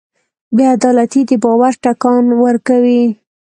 بېعدالتي د باور ټکان ورکوي.